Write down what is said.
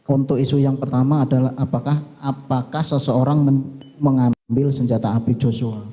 untuk isu yang pertama adalah apakah seseorang mengambil senjata api joshua